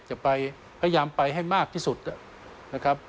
จะไปพยายามไปให้มากที่สุดนะครับ